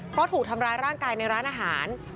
เพราะถูกทำร้ายร่างกายในร้านอาหาร